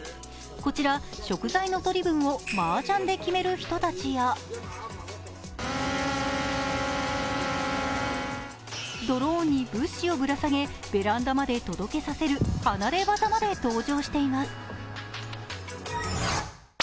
こちら、食材の取り分をマージャンで決める人たちや、ドローンに物資をぶら下げ、ベランダまで届けさせる離れ業まで登場しています。